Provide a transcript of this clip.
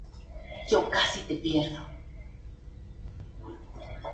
Además, incluye tres videoclips de la banda.